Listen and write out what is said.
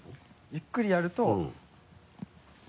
ゆっくりやると。